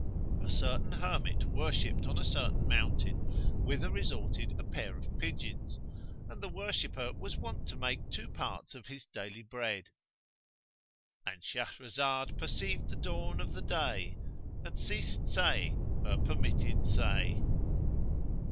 A certain hermit worshipped on a certain mountain, whither resorted a pair of pigeons; and the worshipper was wont to make two parts of his daily bread,—And Shahrazad perceived the dawn of day and ceased saying her permitted say.